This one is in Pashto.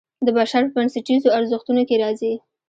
د بشر په بنسټیزو ارزښتونو کې راځي.